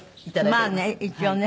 まあね一応ね。